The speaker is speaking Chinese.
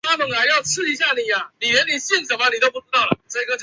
玫红百合为百合科百合属下的一个种。